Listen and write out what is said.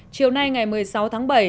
chiều nay ngày một mươi sáu tháng bảy